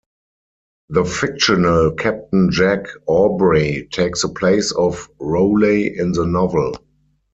The fictional Captain Jack Aubrey takes the place of Rowley in the novel.